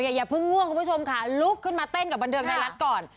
อย่าเพิ่งง่วงคุณผู้ชมค่ะลุกขึ้นมาเต้นกับบันเทิงไทยรัฐก่อน